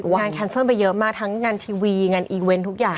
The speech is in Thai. งานแคนเซิลไปเยอะมากทั้งงานทีวีงานอีเวนต์ทุกอย่าง